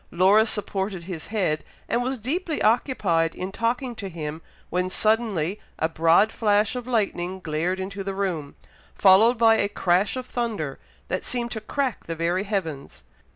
Laura supported his head, and was deeply occupied in talking to him, when suddenly a broad flash of lightning glared into the room, followed by a crash of thunder, that seemed to crack the very heavens.